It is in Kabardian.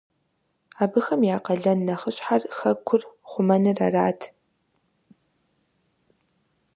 Абыхэм я къалэн нэхъыщхьэр хэкӀур хъумэныр арат.